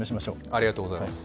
ありがとうございます。